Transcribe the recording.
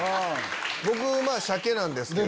僕鮭なんですけど。